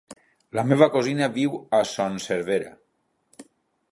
La meva cosina viu a Son Servera.